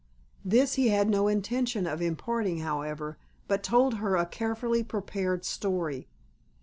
This he had no intention of imparting, however, but told her a carefully prepared story.